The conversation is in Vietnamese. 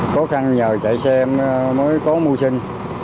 khó khăn nhờ chạy xe mới có mưu sinh